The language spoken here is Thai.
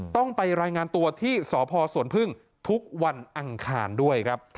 ต้องไปรายงานตัวที่สพสวนพึ่งทุกวันอังคารด้วยครับ